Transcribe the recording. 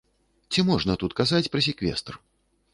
Ці можна тут казаць пра секвестр?